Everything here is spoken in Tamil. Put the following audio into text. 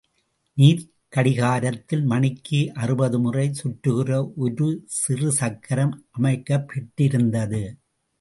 நீர்க் கடிகாரத்தில், மணிக்கு அறுபது முறை சுற்றுகிற ஒரு சிறு சக்கரம் அமைக்கப் பெற்றிருந்தது.